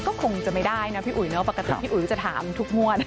ก็คงจะไม่ได้นะพี่อุ๋ยเนอะปกติพี่อุ๋ยจะถามทุกงวด